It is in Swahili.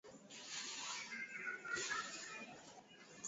Pamoja na misukosuko aliyokutana nayo katika kilimo hicho hakukata tamaa